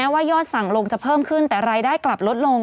ว่ายอดสั่งลงจะเพิ่มขึ้นแต่รายได้กลับลดลง